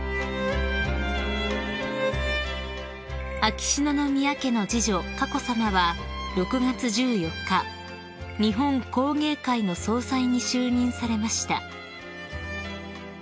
［秋篠宮家の次女佳子さまは６月１４日日本工芸会の総裁に就任されました］